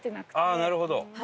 あっなるほど。